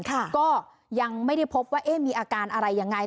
ก็ยังไม่ได้พบว่ามีอาการอะไรยังไง